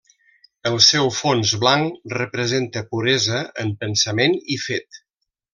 El seu fons blanc representa puresa en pensament i fet.